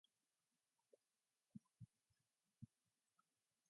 It is located near the suburbs of Castletroy and Monaleen.